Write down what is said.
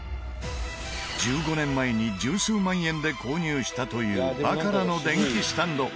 １５年前に十数万円で購入したというバカラの電気スタンド。